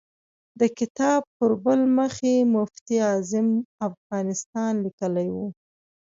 د کتاب پر بل مخ یې مفتي اعظم افغانستان لیکلی و.